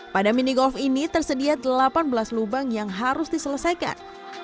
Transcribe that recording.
pada mini golf ini tersedia delapan belas lubang yang harus diselesaikan